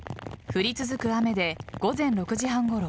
降り続く雨で午前６時半ごろ